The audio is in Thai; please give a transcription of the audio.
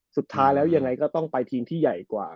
สุดท้ายแล้วยังไงก็ต้องไปทีมที่ใหญ่กว่า